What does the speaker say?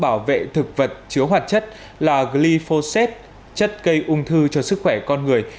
bảo vệ thực vật chứa hoạt chất là glyphosate chất gây ung thư cho sức khỏe con người